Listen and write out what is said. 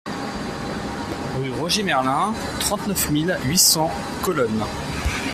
Rue Roger Merlin, trente-neuf mille huit cents Colonne